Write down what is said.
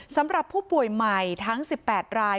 สำหรับผู้ป่วยใหม่ทั้ง๑๘ราย